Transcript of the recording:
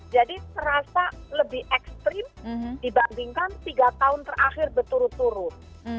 jadi terasa lebih ekstrim dibandingkan tiga tahun terakhir berturut turut